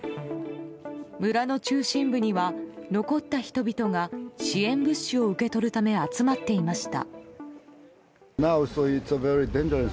村の中心部には、残った人々が支援物資を受け取るため集まっていました。